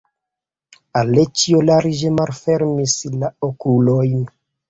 Aleĉjo larĝe malfermis la okulojn.